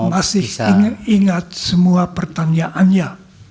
masih ingin ingat semua pertanyaannya